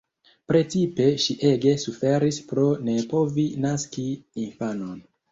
Precipe ŝi ege suferis pro ne povi naski infanon.